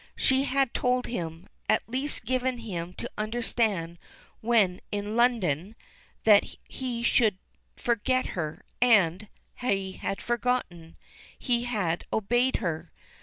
She had told him, at least given him to understand when in London, that he should forget her, and he had forgotten. He had obeyed her.